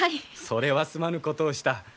それはすまぬことをした。